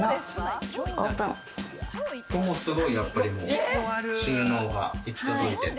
ここもすごい収納が行き届いていて。